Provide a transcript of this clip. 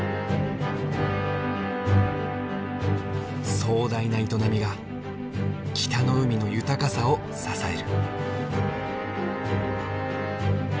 壮大な営みが北の海の豊かさを支える。